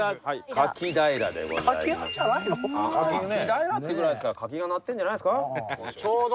柿平っていうぐらいですから柿がなってるんじゃないですか？